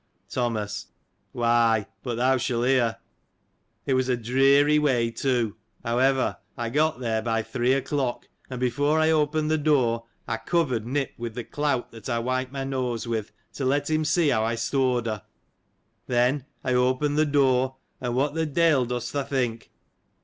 Thomas. — Why, but thou shall hear. It was a dreary way, too : however, I got there by three o'clock ; and before I opened the door, I covered Nip with the clout that I wipe my nose with, to let him see how I stored her. Then, I opened the door, and what the de'il dost thou think?